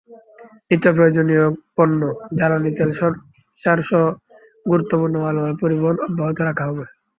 নিত্যপ্রয়োজনীয় পণ্য, জ্বালানি তেল, সারসহ গুরুত্বপূর্ণ মালামাল পরিবহন অব্যাহত রাখা হবে।